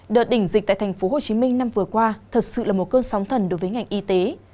đợt đỉnh dịch tại thành phố hồ chí minh năm vừa qua thật sự là một cơn sóng thần đối với ngành y tế